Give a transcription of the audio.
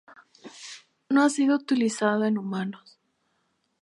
No ha sido utilizado en humanos.